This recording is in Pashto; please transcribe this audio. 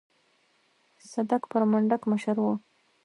صدک پر منډک مشر و.